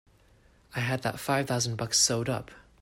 I had that five thousand bucks sewed up!